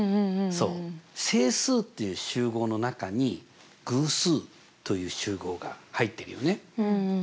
そう整数っていう集合の中に偶数という集合が入ってるよね。